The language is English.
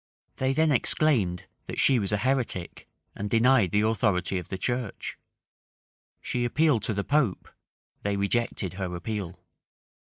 They then exclaimed, that she was a heretic, and denied the authority of the church. She appealed to the pope: they rejected her appeal.